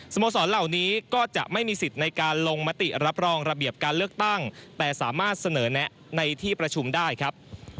โมสรเหล่านี้ก็จะไม่มีสิทธิ์ในการลงมติรับรองระเบียบการเลือกตั้งแต่สามารถเสนอแนะในที่ประชุมได้ครับ